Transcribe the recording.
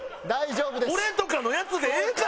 俺とかのやつでええからここは。